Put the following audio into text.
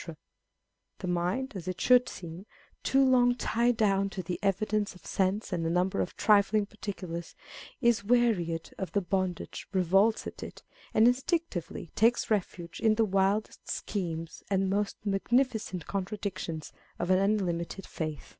The mind (as it should seem), too long tied down to the evidence of sense and a number of trifling particulars, is wearied of the bondage, revolts at it, and instinctively takes refuge in the wildest schemes and most magnificent contradictions of an unlimited faith.